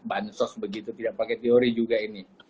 bansos begitu tidak pakai teori juga ini